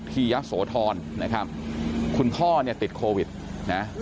ยะโสธรนะครับคุณพ่อเนี่ยติดโควิดนะ